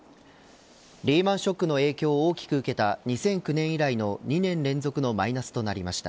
リーマンショックの影響を大きく受けた２００９年以来の２年連続のマイナスとなりました。